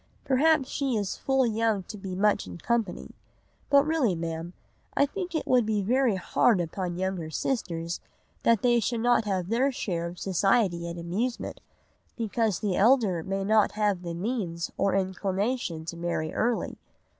Perhaps she is full young to be much in company. But really, Ma'am, I think it would be very hard upon younger sisters that they should not have their share of society and amusement, because the elder may not have the means or inclination to marry early.